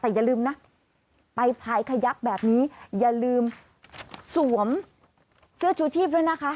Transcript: แต่อย่าลืมนะไปพายขยักแบบนี้อย่าลืมสวมเสื้อชูชีพด้วยนะคะ